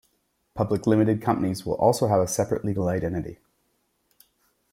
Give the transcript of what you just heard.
Public limited companies will also have a separate legal identity.